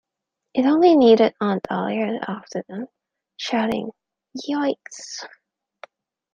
It only needed Aunt Dahlia after them, shouting "Yoicks!"